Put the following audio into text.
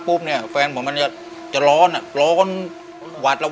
สามีก็ต้องพาเราไปขับรถเล่นดูแลเราเป็นอย่างดีตลอดสี่ปีที่ผ่านมา